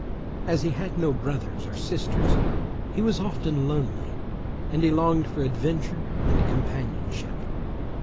As he had no brothers or sisters, he was often lonely, and he longed for adventure and companionship.